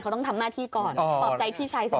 เขาต้องทำหน้าที่ก่อนปลอบใจพี่ชายซะ